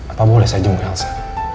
apa boleh saya jemput elsa